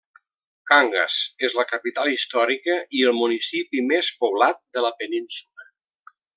Cangas és la capital històrica i el municipi més poblat de la península.